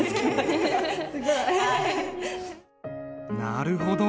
なるほど。